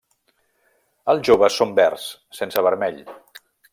Els joves són verds, sense vermell.